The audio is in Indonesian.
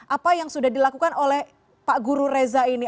apa yang sudah dilakukan oleh pak guru reza ini